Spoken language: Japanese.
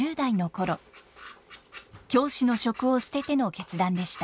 教師の職を捨てての決断でした。